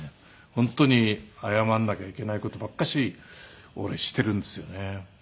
本当に謝らなきゃいけない事ばっかし俺しているんですよね。